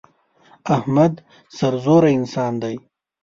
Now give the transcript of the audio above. احمد سرزوره انسان دی.